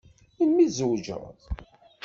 Melmi tzewǧeḍ?